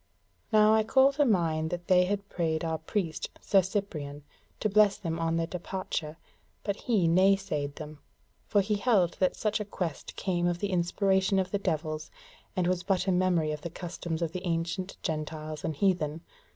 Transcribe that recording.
Now I call to mind that they had prayed our priest, Sir Cyprian, to bless them on their departure, but he naysaid them; for he held that such a quest came of the inspiration of the devils, and was but a memory of the customs of the ancient gentiles and heathen.